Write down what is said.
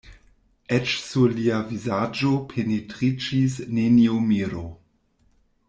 Eĉ sur lia vizaĝo pentriĝis neniu miro.